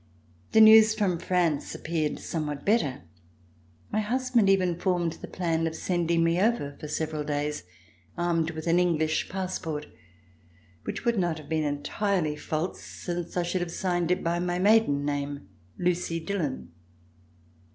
The news from France appeared some what better. My husband even formed the plan of sending me over tor several days, armed with an English passport, which would not have been en tirely false, since I should have signed it by my maiden name, Lucy Dillon.